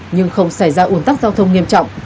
nhưng không xảy ra ủn tắc giao thông nghiêm trọng